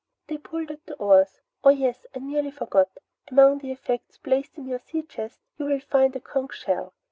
They pulled at the oars. "Oh yes, I nearly forgot. Among the effects placed in your sea chest you will find a conch shell.